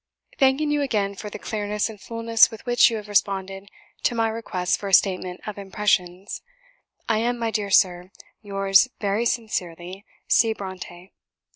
"Thanking you again for the clearness and fulness with which you have responded to my request for a statement of impressions, I am, my dear Sir, yours very sincerely, "C. BRONTË."